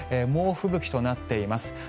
猛吹雪となっています。